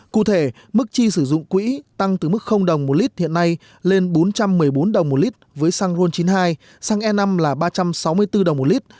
cụ thể mức chi sử dụng quỹ tăng từ mức một lít hiện nay lên bốn trăm một mươi bốn một lít với sang ron chín mươi hai sang e năm là ba trăm sáu mươi bốn một lít